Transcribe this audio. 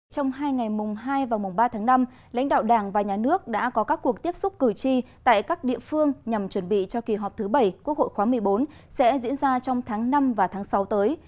trong hai ngày mùng hai và mùng ba tháng năm lãnh đạo đảng và nhà nước đã có các cuộc tiếp xúc cử tri tại các địa phương nhằm chuẩn bị cho kỳ họp thứ bảy quốc hội khóa một mươi bốn sẽ diễn ra trong tháng năm và tháng sáu tới